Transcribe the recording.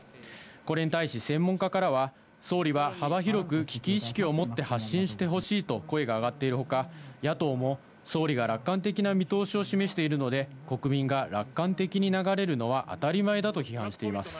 これに対し専門家からは、総理は幅広く危機意識を持って発信してほしいと声が上がっているほか、野党も総理が楽観的な見通しを示しているので、国民が楽観的に流れるのは当たり前だと批判しています。